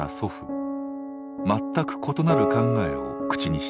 全く異なる考えを口にした。